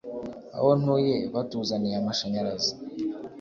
aho ntuye batuzaniye amashanyarazi